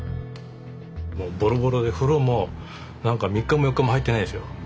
もうボロボロで風呂も３日も４日も入ってないんですよ。